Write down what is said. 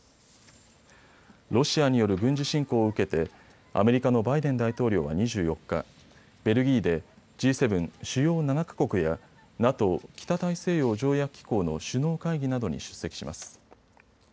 ロシアによる軍事侵攻を受けてアメリカのバイデン大統領は２４日、ベルギーでＧ７・主要７か国やＮＡＴＯ・北大西洋条約機構の首脳会議などに出席します。